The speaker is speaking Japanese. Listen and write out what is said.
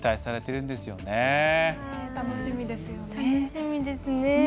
楽しみですね。